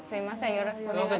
よろしくお願いします。